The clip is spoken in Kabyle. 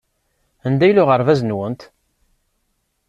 Anda yella uɣerbaz-nwent?